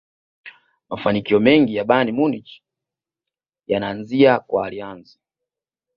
mafanikio mengi ya bayern munich yanaanzia kwa karlheinze